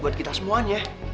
buat kita semuanya